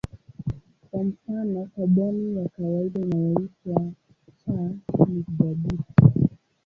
Kwa mfano kaboni ya kawaida inayoitwa C ni thabiti.